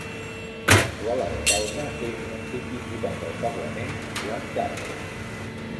L'actual alcalde és l'antic diputat al Parlament John Carter.